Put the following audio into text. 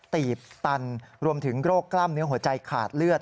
ตีบตันรวมถึงโรคกล้ามเนื้อหัวใจขาดเลือด